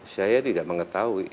saya tidak mengetahui